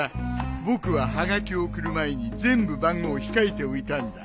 僕ははがきを送る前に全部番号を控えておいたんだ。